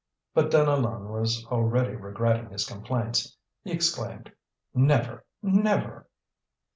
But Deneulin was already regretting his complaints. He exclaimed: "Never, never!"